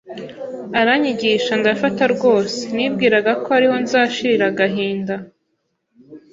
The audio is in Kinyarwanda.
aranyigisha ndafata rwose nibwiraga ko ariho nzashirira agahinda